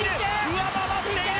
上回っている！